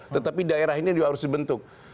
tetapi daerah ini juga harus dibentuk